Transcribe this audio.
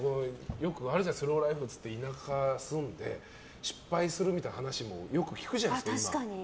よくあるじゃんスローライフって言って田舎に住んで失敗するみたいな話もよく聞くじゃないですか、今。